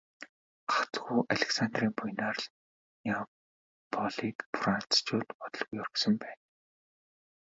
Гагцхүү Александрын буянаар л Неаполийг францчууд удалгүй орхисон байна.